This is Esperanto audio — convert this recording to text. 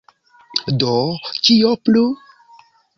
Do, kio plu?